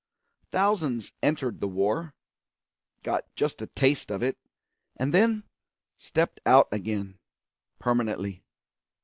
Thousands entered the war, got just a taste of it, and then stepped out again, permanently.